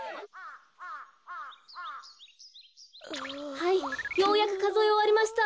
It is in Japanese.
はいようやくかぞえおわりました。